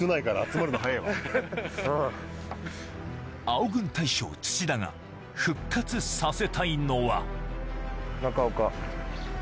青軍大将・土田が復活させたいのは中岡。